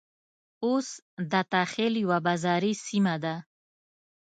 اوس دته خېل يوه بازاري سيمه ده.